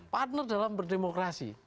partner dalam berdemokrasi